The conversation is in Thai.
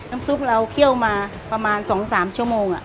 ซุปเราเคี่ยวมาประมาณ๒๓ชั่วโมง